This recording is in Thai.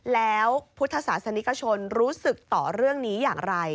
แล้วพุทธศาสนิกชนรู้สึกต่อเรื่องนี้อย่างไร